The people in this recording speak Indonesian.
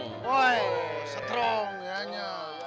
wah strong nyanya